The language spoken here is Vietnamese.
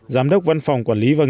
giám đốc văn phòng quản lý văn phòng